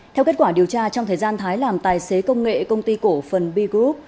theo kết quả điều tra trong thời gian thái làm tài xế công nghệ công ty cổ phần b group